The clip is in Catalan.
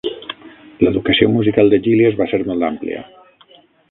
L'educació musical de Gillies va ser molt àmplia.